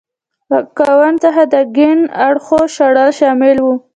له ګوند څخه د کیڼ اړخو شړل شامل و.